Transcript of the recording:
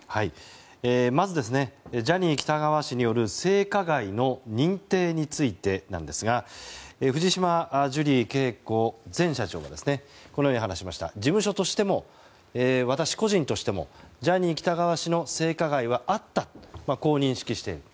まずジャニー喜多川氏による性加害の認定についてですが藤島ジュリー景子前社長は事務所としても、私個人としてもジャニー喜多川氏の性加害はあったと認識している。